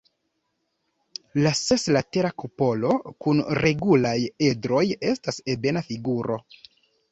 La seslatera kupolo kun regulaj edroj estas ebena figuro.